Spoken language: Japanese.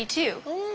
うん。